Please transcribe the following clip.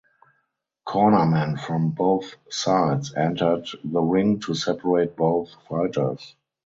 Cornermen from both sides entered the ring to separate both fighters.